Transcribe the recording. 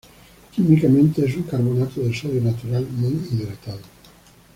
Químicamente es un carbonato de sodio natural, muy hidratado.